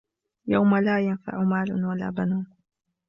يوم لا ينفع مال ولا بنون